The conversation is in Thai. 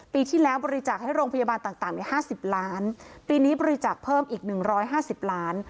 ปีที่แล้วบริจักษ์ให้โรงพยาบาลต่างอย่าง๕๐ล้านปีนี้บริจักษ์เพิ่มอีก๑๕๐ล้าน